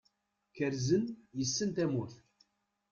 Kerzen yes-sen tamurt.